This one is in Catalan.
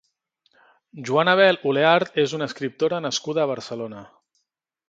Joana Bel Oleart és una escriptora nascuda a Barcelona.